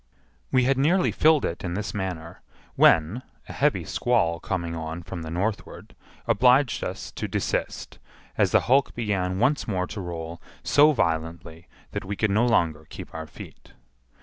We had nearly filled it in this manner, when, a heavy squall coming on from the northward, obliged us to desist, as the hulk began once more to roll so violently that we could no longer keep our feet.